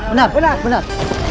benar benar benar